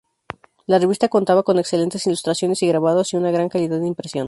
La revista contaba con excelentes ilustraciones y grabados y una gran calidad de impresión.